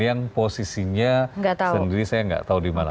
yang posisinya sendiri saya nggak tahu di mana